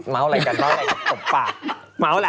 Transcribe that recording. เม้าอะไรกันเม้าอะไรกันตบปาก